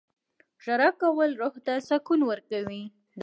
• ژړا کول روح ته سکون ورکوي.